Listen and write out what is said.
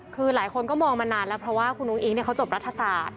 คือหลายคนก็มองมานานแล้วเพราะว่าคุณอุ้งอิ๊งเขาจบรัฐศาสตร์